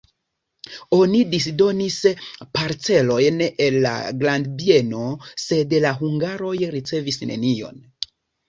Oni disdonis parcelojn el la grandbieno, sed la hungaroj ricevis nenion.